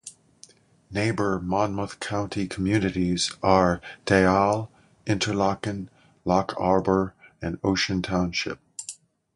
Neighbour Monmouth County communities are Deal, Interlaken, Loch Arbour and Ocean Township.